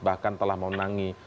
bahkan telah memenangi